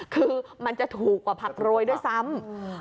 คือมันจะถูกกว่าผักโรยด้วยซ้ำ